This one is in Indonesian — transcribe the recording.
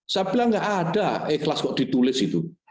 saya bilang nggak ada ikhlas kok ditulis itu